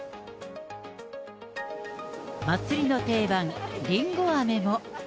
祭りの定番、りんごあめも。